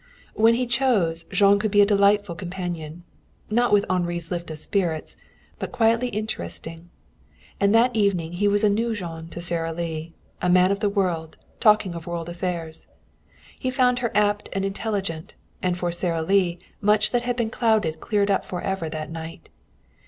When he chose, Jean could be a delightful companion; not with Henri's lift of spirits, but quietly interesting. And that evening he was a new Jean to Sara Lee, a man of the world, talking of world affairs. He found her apt and intelligent, and for Sara Lee much that had been clouded cleared up forever that night.